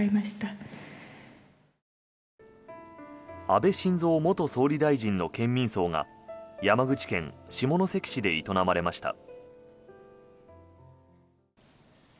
安倍晋三元総理大臣の県民葬が山口県下関市で営まれました。